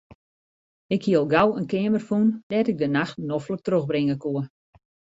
Ik hie al gau in keamer fûn dêr't ik de nachten noflik trochbringe koe.